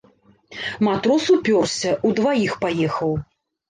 Матрос упёрся, удваіх паехаў.